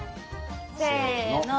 せの！